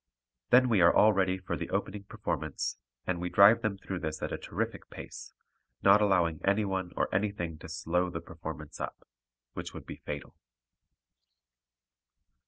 Then we are all ready for the opening performance, and we drive them through this at a terrific pace, not allowing anyone or anything to slow the performance up, which would be fatal.